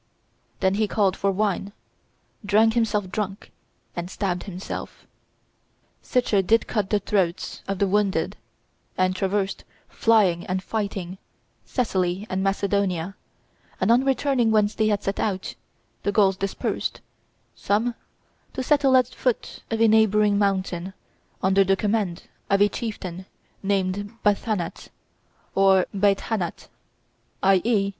Then he called for wine, drank himself drunk, and stabbed himself. Cichor did cut the throats of the wounded, and traversed, flying and fighting, Thessaly and Macedonia; and on returning whence they had set out, the Gauls dispersed, some to settle at the foot of a neighboring mountain under the command of a chieftain named Bathanat or Baedhannatt, i.e.